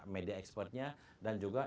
media expertnya dan juga